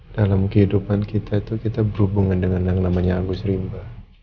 dalam kehidupan kita itu kita berhubungan dengan yang namanya agus rimba